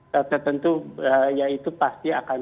tertentu yaitu pasti akan